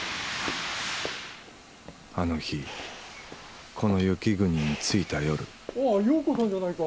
あの日この雪国に着いた夜ああ葉子さんじゃないか。